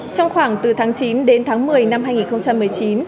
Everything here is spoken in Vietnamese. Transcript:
trong khoảng từ tháng chín đến tháng một mươi năm hai nghìn một mươi chín